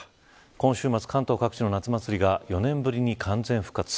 今週末、関東各地の夏祭りが４年ぶりに完全復活。